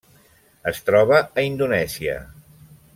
Es troba a Indonèsia: